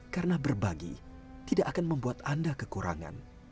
karena berbagi tidak akan membuat anda kekurangan